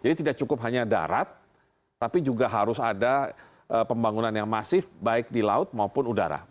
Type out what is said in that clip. jadi tidak cukup hanya darat tapi juga harus ada pembangunan yang masif baik di laut maupun udara